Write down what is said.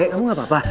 dek kamu gak apa apa